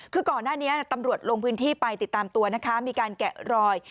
คือก่อนหน้านี้ตำรวจลงพื้นที่ไปติดตามตัวนะคะมีการแกะรอย